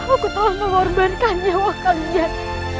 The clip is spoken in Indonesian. aku telah mengorbankan nyawa kalian